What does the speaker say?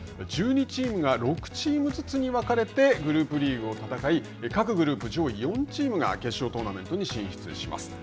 １２チームが６チームチームずつに分かれてグループリーグを戦い各グループ上位４チームが決勝トーナメントに進出します。